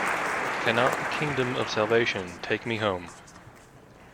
Cannot the kingdom of salvation take me home?